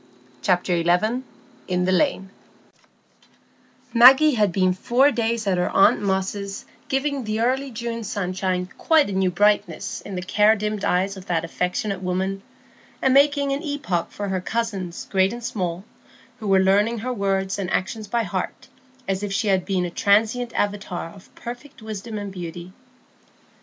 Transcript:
Chapter XI. In the Lane Maggie had been four days at her aunt Moss's giving the early June sunshine quite a new brightness in the care dimmed eyes of that affectionate woman, and making an epoch for her cousins great and small, who were learning her words and actions by heart, as if she had been a transient avatar of perfect wisdom and beauty.